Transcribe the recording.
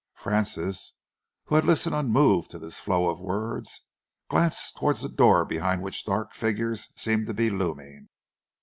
Francis, who had listened unmoved to this flow of words, glanced towards the door behind which dark figures seemed to be looming.